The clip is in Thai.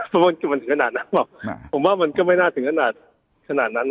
เพราะว่ามันถึงขนาดนั้นหรอกผมว่ามันก็ไม่น่าถึงขนาดนั้น